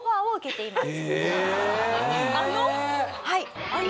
はい。